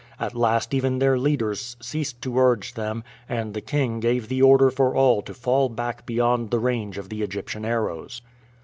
At last even their leaders ceased to urge them, and the king gave the order for all to fall back beyond the range of the Egyptian arrows.